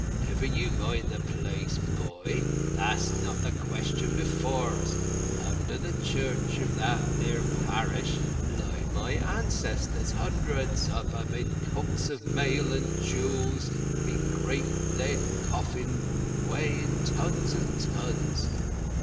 "Never you mind the place, boy, that's not the question before us. Under the church of that there parish lie my ancestors—hundreds of 'em—in coats of mail and jewels, in gr't lead coffins weighing tons and tons.